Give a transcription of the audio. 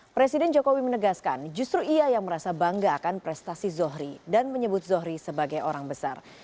presiden jokowi menegaskan justru ia yang merasa bangga akan prestasi zohri dan menyebut zohri sebagai orang besar